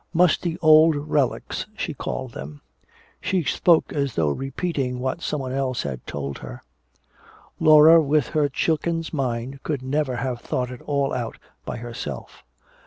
"Musty old relics," she called them. She spoke as though repeating what someone else had told her. Laura with her chicken's mind could never have thought it all out by herself.